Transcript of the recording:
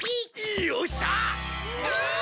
よっしゃあ！